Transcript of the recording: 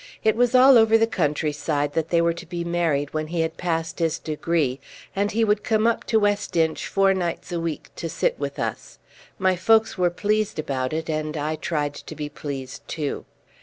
It was all over the countryside that they were to be married when he had passed his degree, and he would come up to West Inch four nights a week to sit with us. My folk were pleased about it, and I tried to be pleased too.